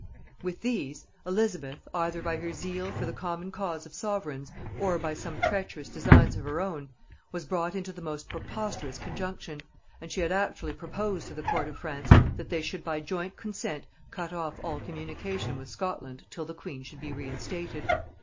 With these Elizabeth, either by her zeal for the common cause of sovereigns, or by some treacherous designs of her own, was brought into most preposterous conjunction, and she had actually proposed to the court of France that they should by joint consent cut off all communication with Scotland till the queen should be reinstated.